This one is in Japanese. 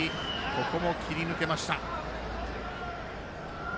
ここも切り抜けました。